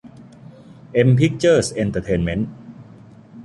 เอ็ม พิคเจอร์ส เอ็นเตอร์เทนเม้นท์